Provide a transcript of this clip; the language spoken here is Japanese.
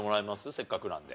せっかくなんで。